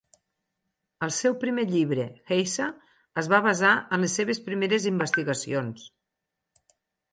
El seu primer llibre, "Geisha", es va basar en les seves primeres investigacions.